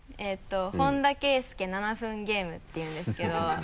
「本田圭佑７分ゲーム」ていうんですけど。